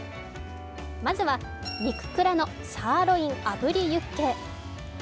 まずは肉蔵のサーロイン炙りユッケ。